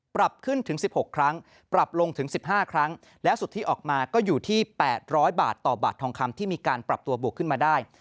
ปรับขึ้นถึง๑๖ครั้งปรับลงถึง๑๕ครั้งและสุดที่ออกมาก็อยู่ที่๘๐๐บาทต่อบาททองคำที่มีการปรับตัวบวกขึ้นมาได้